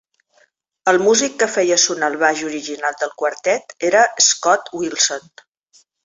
El músic que feia sonar el baix original del quartet era Scott Wilson.